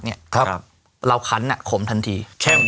เนี่ยเราขันอะขมทันที